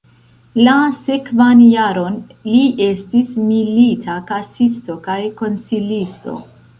La sekvan jaron li estis milita kasisto kaj konsilisto.